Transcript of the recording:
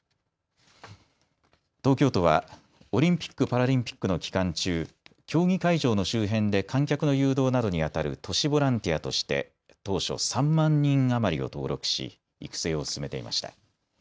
東京都はオリンピック・パラリンピックの期間中、競技会場の周辺で観客の誘導などにあたる都市ボランティアとして当初、３万人余りを登録し育成を進めていました。